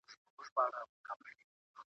چي کمزوری دي ایمان دی که غښتلی دي شیطان `